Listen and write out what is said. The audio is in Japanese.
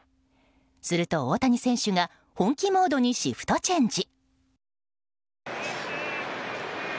すると大谷選手が本気モードにシフトチェンジ！